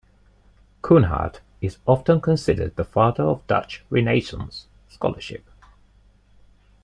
Coornhert is often considered the Father of Dutch Renaissance scholarship.